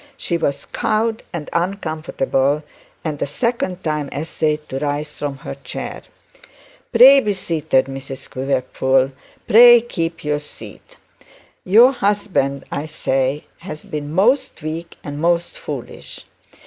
She was cowed and uncomfortable, and a second time essayed to rise from her chair. 'Pray be seated, Mrs Quiverful, pray keep your seat. Your husband, I say, has been most weak and most foolish.